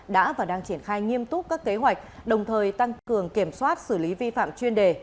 đã và đang triển khai nghiêm túc các kế hoạch đồng thời tăng cường kiểm soát xử lý vi phạm chuyên đề